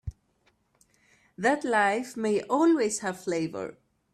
That life may always have flavor.